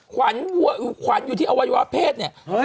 ขวัญวัวคือขวัญอยู่ที่อวัยวะเพศเนี่ย